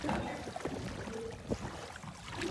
Nilimchukia alivyomfamyia mwanangu.